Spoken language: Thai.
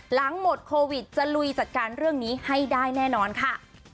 หลังหมดโควิดจะลุยจัดการเรื่องนี้ให้ได้แน่นอนค่ะ